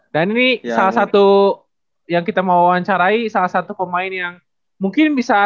dan ini salah satu yang kita mau wawancarai salah satu pemain yang mungkin bisa